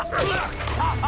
ハハハ！